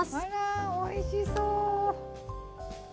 あらおいしそう！